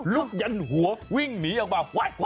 ลุกยันหัววิ่งหนีออกมาไหว